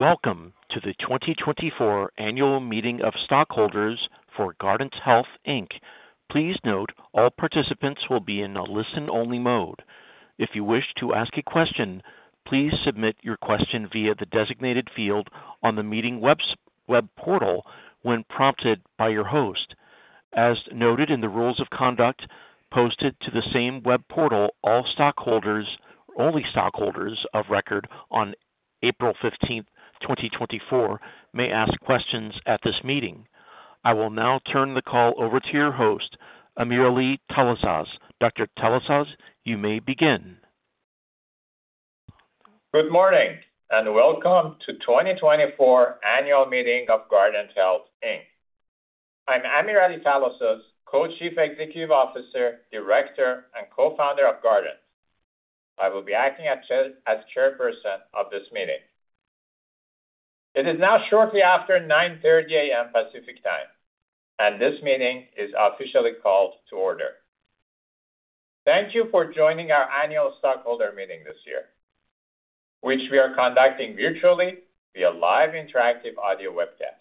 Welcome to the 2024 annual meeting of stockholders for Guardant Health, Inc. Please note all participants will be in a listen-only mode. If you wish to ask a question, please submit your question via the designated field on the meeting web portal when prompted by your host. As noted in the rules of conduct, posted to the same web portal, all stockholders, only stockholders, of record on April 15, 2024, may ask questions at this meeting. I will now turn the call over to your host, AmirAli Talasaz. Dr. Talasaz, you may begin. Good morning and welcome to the 2024 annual meeting of Guardant Health, Inc. I'm AmirAli Talasaz, Co-Chief Executive Officer, Director, and Co-Founder of Guardant. I will be acting as Chairperson of this meeting. It is now shortly after 9:30 A.M. Pacific time, and this meeting is officially called to order. Thank you for joining our annual stockholder meeting this year, which we are conducting virtually via live interactive audio webcast.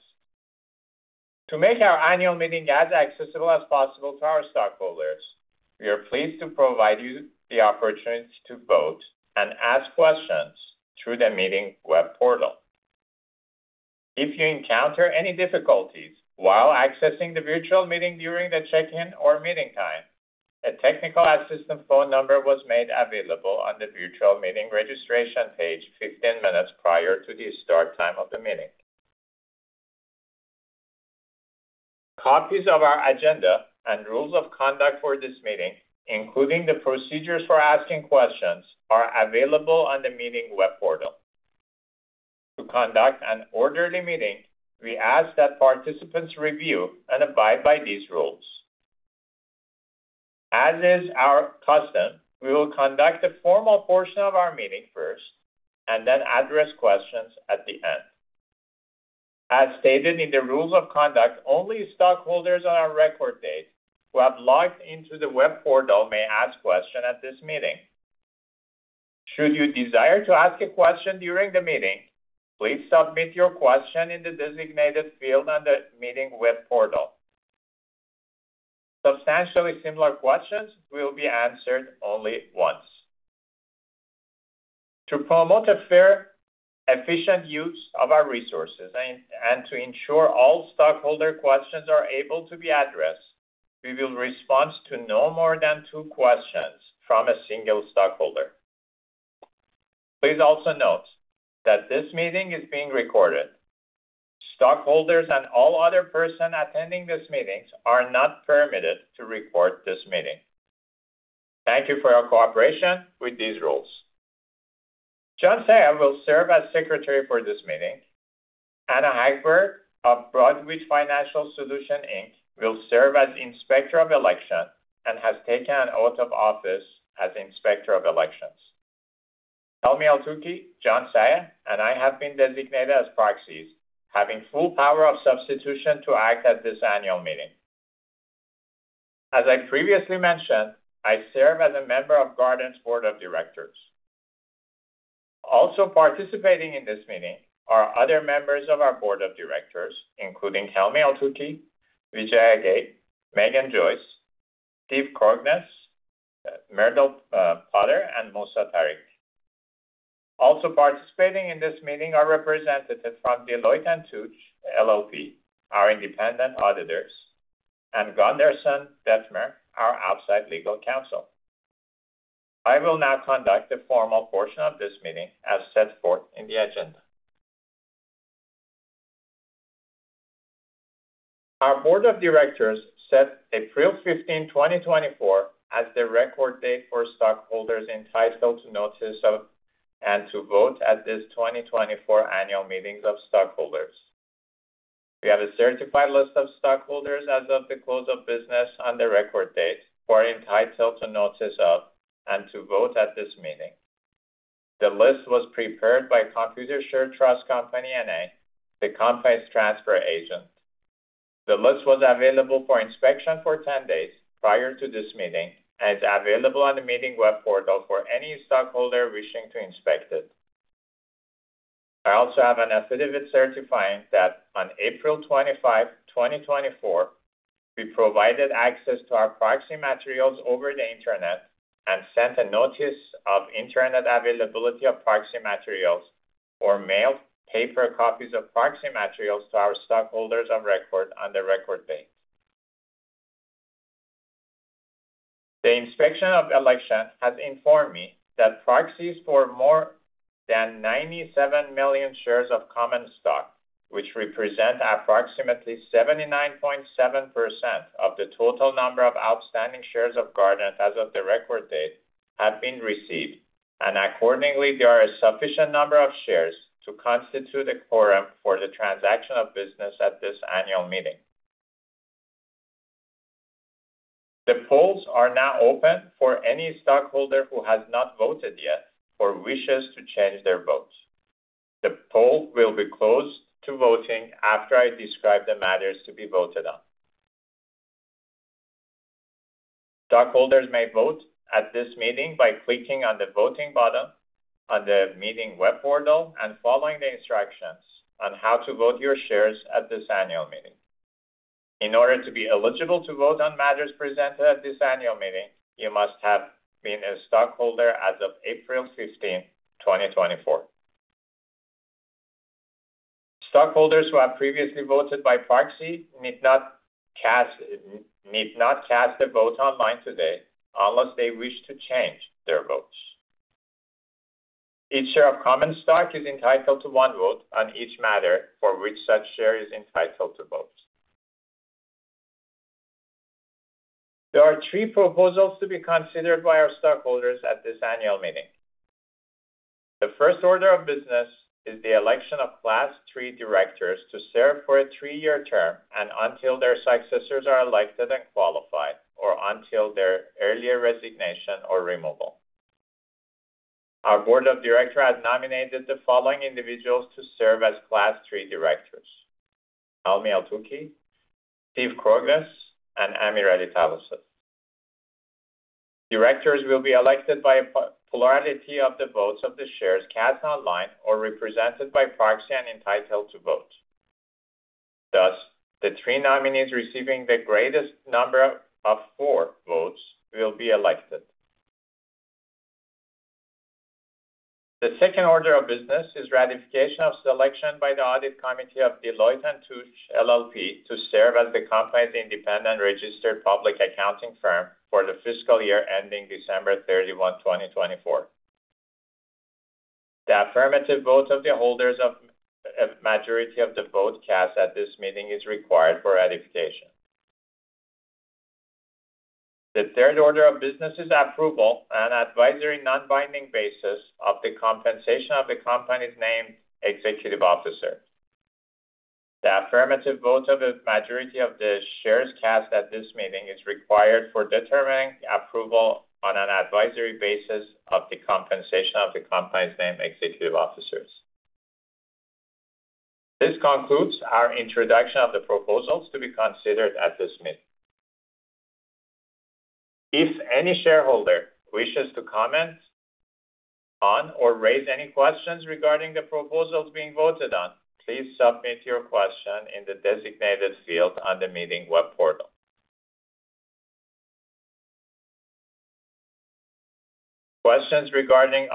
To make our annual meeting as accessible as possible to our stockholders, we are pleased to provide you the opportunity to vote and ask questions through the meeting web portal. If you encounter any difficulties while accessing the virtual meeting during the check-in or meeting time, a technical assistant phone number was made available on the virtual meeting registration page 15 minutes prior to the start time of the meeting. Copies of our agenda and rules of conduct for this meeting, including the procedures for asking questions, are available on the meeting web portal. To conduct an orderly meeting, we ask that participants review and abide by these rules. As is our custom, we will conduct the formal portion of our meeting first and then address questions at the end. As stated in the rules of conduct, only stockholders on our record date who have logged into the web portal may ask questions at this meeting. Should you desire to ask a question during the meeting, please submit your question in the designated field on the meeting web portal. Substantially similar questions will be answered only once. To promote a fair, efficient use of our resources and to ensure all stockholder questions are able to be addressed, we will respond to no more than two questions from a single stockholder. Please also note that this meeting is being recorded. Stockholders and all other persons attending this meeting are not permitted to record this meeting. Thank you for your cooperation with these rules. John Saia will serve as Secretary for this meeting. Anna Hagberg, of Broadridge Financial Solutions, Inc., will serve as Inspector of Elections and has taken an oath of office as Inspector of Elections. Helmy Eltoukhy, John Saia, and I have been designated as proxies, having full power of substitution to act at this annual meeting. As I previously mentioned, I serve as a member of Guardant's Board of Directors. Also participating in this meeting are other members of our Board of Directors, including Helmy Eltoukhy, Vijaya Gadde, Meghan Joyce, Steve Krognes, Myrtle Potter, and Musa Tariq. Also participating in this meeting are representatives from Deloitte & Touche LLP, our independent auditors, and Gunderson Dettmer, our outside legal counsel. I will now conduct the formal portion of this meeting as set forth in the agenda. Our Board of Directors set April 15, 2024, as the record date for stockholders entitled to notice of and to vote at this 2024 annual meeting of stockholders. We have a certified list of stockholders as of the close of business on the record date who are entitled to notice of and to vote at this meeting. The list was prepared by Computershare Trust Company, N.A., the company's transfer agent. The list was available for inspection for 10 days prior to this meeting and is available on the meeting web portal for any stockholder wishing to inspect it. I also have an affidavit certifying that on April 25, 2024, we provided access to our proxy materials over the internet and sent a notice of internet availability of proxy materials or mailed paper copies of proxy materials to our stockholders of record on the record date. The Inspector of Elections has informed me that proxies for more than 97 million shares of common stock, which represent approximately 79.7% of the total number of outstanding shares of Guardant as of the record date, have been received, and accordingly, there are a sufficient number of shares to constitute a quorum for the transaction of business at this annual meeting. The polls are now open for any stockholder who has not voted yet or wishes to change their vote. The poll will be closed to voting after I describe the matters to be voted on. Stockholders may vote at this meeting by clicking on the voting button on the meeting web portal and following the instructions on how to vote your shares at this annual meeting. In order to be eligible to vote on matters presented at this annual meeting, you must have been a stockholder as of April 15, 2024. Stockholders who have previously voted by proxy need not cast a vote online today unless they wish to change their votes. Each share of common stock is entitled to one vote on each matter for which such share is entitled to vote. There are three proposals to be considered by our stockholders at this annual meeting. The first order of business is the election of Class 3 directors to serve for a three-year term and until their successors are elected and qualified, or until their earlier resignation or removal. Our Board of Directors has nominated the following individuals to serve as Class 3 directors: Helmy Eltoukhy, Steve Krognes, and AmirAli Talasaz. Directors will be elected by a plurality of the votes of the shares cast online or represented by proxy and entitled to vote. Thus, the three nominees receiving the greatest number of votes will be elected. The second order of business is ratification of selection by the Audit Committee of Deloitte & Touche LLP to serve as the company's independent registered public accounting firm for the fiscal year ending December 31, 2024. The affirmative vote of the holders of a majority of the vote cast at this meeting is required for ratification. The third order of business is approval on an advisory non-binding basis of the compensation of a company's named executive officer. The affirmative vote of a majority of the shares cast at this meeting is required for determining approval on an advisory basis of the compensation of a company's named executive officers. This concludes our introduction of the proposals to be considered at this meeting. If any shareholder wishes to comment on or raise any questions regarding the proposals being voted on, please submit your question in the designated field on the meeting web portal. Questions regarding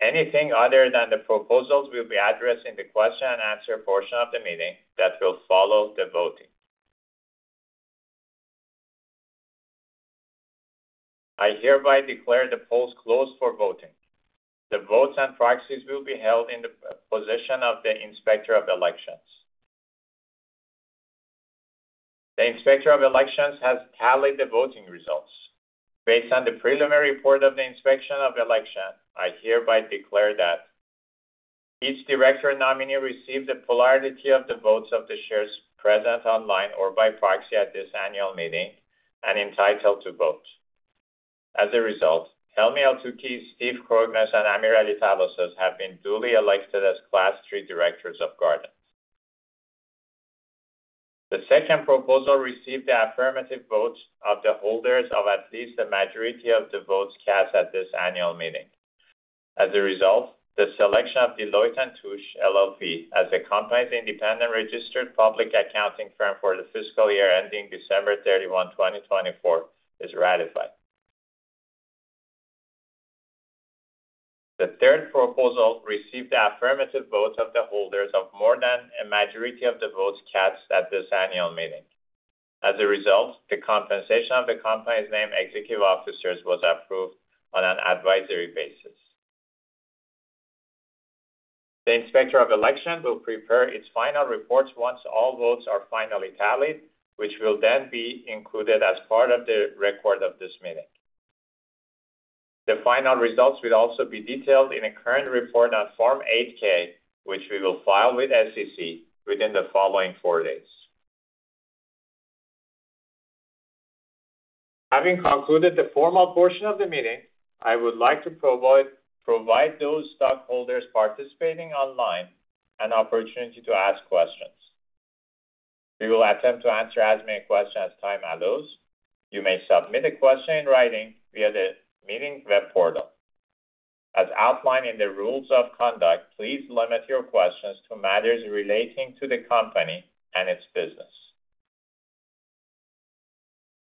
anything other than the proposals will be addressed in the question-and-answer portion of the meeting that will follow the voting. I hereby declare the polls closed for voting. The votes and proxies will be held in the position of the Inspector of Elections. The Inspector of Elections has tallied the voting results. Based on the preliminary report of the Inspector of Elections, I hereby declare that each director nominee received a plurality of the votes of the shares present online or by proxy at this annual meeting and entitled to vote. As a result, Helmy Eltoukhy, Steve Krognes, and AmirAli Talasaz have been duly elected as Class 3 directors of Guardant. The second proposal received the affirmative vote of the holders of at least the majority of the votes cast at this annual meeting. As a result, the selection of Deloitte & Touche LLP, as a company's independent registered public accounting firm for the fiscal year ending December 31, 2024, is ratified. The third proposal received the affirmative vote of the holders of more than a majority of the votes cast at this annual meeting. As a result, the compensation of a company's named executive officers was approved on an advisory basis. The Inspector of Elections will prepare its final report once all votes are finally tallied, which will then be included as part of the record of this meeting. The final results will also be detailed in a current report on Form 8-K, which we will file with the SEC within the following four days. Having concluded the formal portion of the meeting, I would like to provide those stockholders participating online an opportunity to ask questions. We will attempt to answer as many questions as time allows. You may submit a question in writing via the meeting web portal. As outlined in the rules of conduct, please limit your questions to matters relating to the company and its business.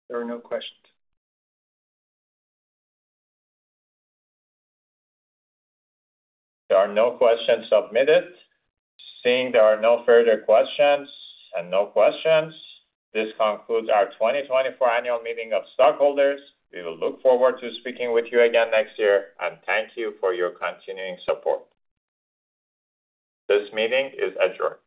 There are no questions. There are no questions submitted. Seeing there are no further questions and no questions, this concludes our 2024 annual meeting of stockholders. We will look forward to speaking with you again next year, and thank you for your continuing support. This meeting is adjourned.